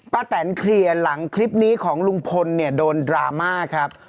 แตนเคลียร์หลังคลิปนี้ของลุงพลเนี่ยโดนดราม่าครับ